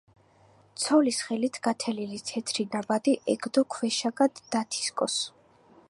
ცოლის ხელით გათელილი თეთრი ნაბადი ეგდო ქვეშაგად დათიკოს